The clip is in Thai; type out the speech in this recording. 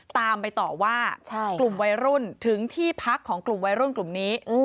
ตามไปต่อว่ากลุ่มวัยรุ่นถึงที่พักของกลุ่มวัยรุ่นกลุ่มนี้